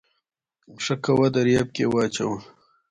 ښه کوه دریاب کې واچوه